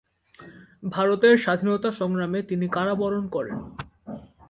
ভারতের স্বাধীনতা সংগ্রামে তিনি কারাবরণ করেন।